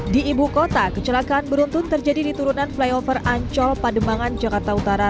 di ibu kota kecelakaan beruntun terjadi di turunan flyover ancol pademangan jakarta utara